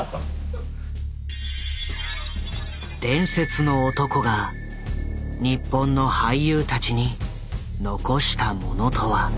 伝説の男が日本の俳優たちに残したものとは。